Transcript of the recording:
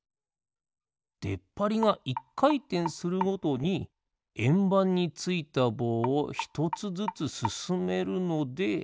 でっぱりが１かいてんするごとにえんばんについたぼうをひとつずつすすめるので。